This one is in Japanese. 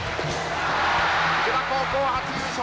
池田高校初優勝！